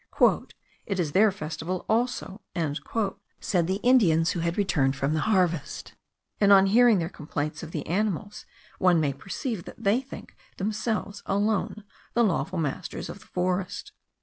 "It is their festival also," said the Indians who had returned from the harvest; and on hearing their complaints of the animals, one may perceive that they think themselves alone the lawful masters of the forest.